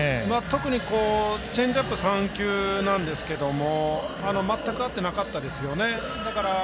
特にチェンジアップ３球なんですけども全く合ってなかったですよね。